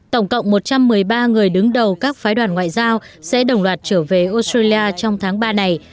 tổng cộng một trăm một mươi ba người đứng đầu các phái đoàn ngoại giao sẽ đồng loạt trở về australia trong tháng ba này